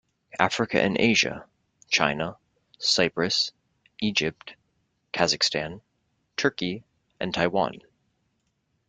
Africa and Asia: China, Cyprus, Egypt, Kazakhstan, Turkey and Taiwan.